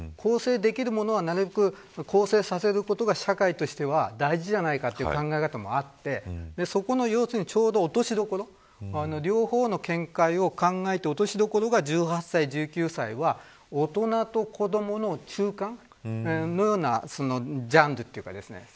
だから更生できる者はなるべく更生させることが社会としては大事じゃないかという考え方もあってそこの落としどころ両方の見解を考えて落としどころが１８歳、１９歳は大人と子どもの中間のようなジャンルというかですね。